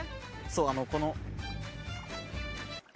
そうあのこの。